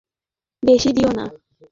সিম্বাকে বেশি দিও না।